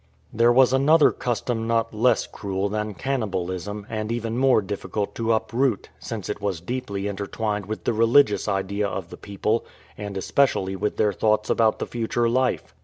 There was another custom not less cruel than cannibal ism, and even more difficult to uproot, since it was deeply intertwined with the religious ideas of the people and especially with their thoughts about the future life.